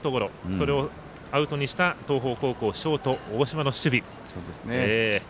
それをアウトにした東邦高校、ショート大島の守備。